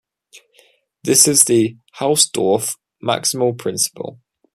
This is the Hausdorff maximal principle.